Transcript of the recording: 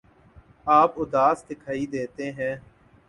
آپ اداس دکھائی دیتے ہیں